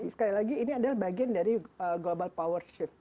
sekali lagi ini adalah bagian dari global power shift